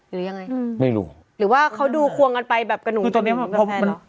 หรือยังไงหรือว่าเขาดูควงกันไปแบบกระหนุงแบบนี้มันเป็นแบบแฟนหรอ